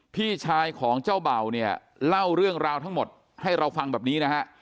พี่ชายของเจ้าเบ่าเนี่ยเล่าเรื่องราวทั้งหมดให้เราฟังแบบนี้นะฮะ